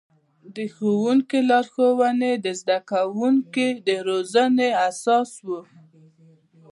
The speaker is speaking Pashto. د ښوونکي لارښوونې د زده کوونکو د روزنې اساس و.